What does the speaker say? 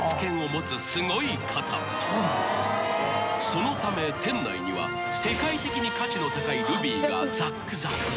［そのため店内には世界的に価値の高いルビーがザックザク］